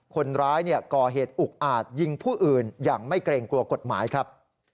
คนร้ายก่อเหตุอุกอาจยิงผู้อื่นอย่างไม่เกรงกลัวกฎหมายครับ